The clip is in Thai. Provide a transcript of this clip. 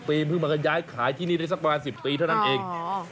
ปีเพิ่งมากันย้ายขายที่นี่ได้สักประมาณ๑๐ปีเท่านั้นเอง